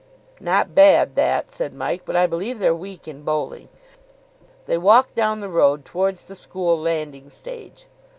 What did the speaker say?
"Not bad that," said Mike. "But I believe they're weak in bowling." They walked down the road towards the school landing stage.